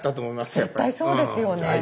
絶対そうですよね。